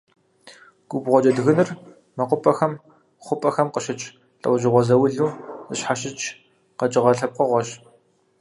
Губгъуэ джэдгынр мэкъупӏэхэм, хъупӏэхэм къыщыкӏ, лӏэужьыгъуэ заулу зэщхьэщыкӏ къэкӏыгъэ лъэпкъыгъуэщ.